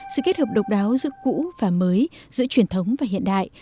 sự kết hợp độc đáo giữa cũ và mới giữa truyền thống và hiện đại